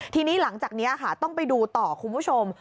ทีนี้หลังจากนี้ค่ะต้องไปดูต่อคุณผู้ชม